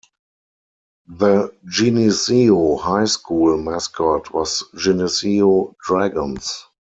The Geneseo High School mascot was Geneseo Dragons.